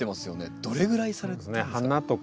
どれぐらいされたんですか？